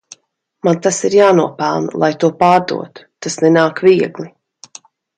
Man tas ir jānopelna lai to pārdotu, tas nenāk viegli.